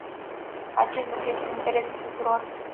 Acest lucru este în interesul tuturor.